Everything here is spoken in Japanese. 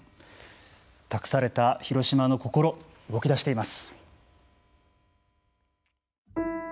託された広島の心動き出しています。